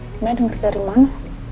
mbak andien denger dari mana